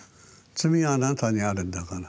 罪はあなたにあるんだから。